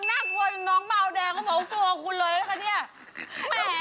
คุณทำหน้าพอพอน้องเบาใดเขากลัวกับคุณเลยนะคะ